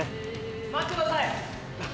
待ってください！